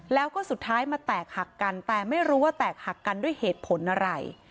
แล้วก็สุดท้ายมาแตกหักกันแต่ไม่รู้ว่าแตกหักกันด้วยเหตุผลอะไร